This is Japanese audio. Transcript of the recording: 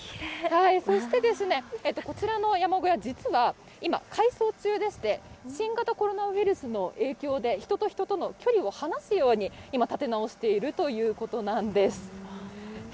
そして、こちらの山小屋、実は、今、改装中でして、新型コロナウイルスの影響で、人と人との距離を離すように今、建て直しているということなんです。